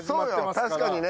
確かにね。